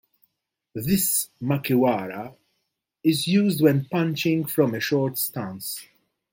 This makiwara is used when punching from a short stance.